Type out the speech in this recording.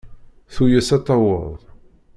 Tuyes ad taweḍ.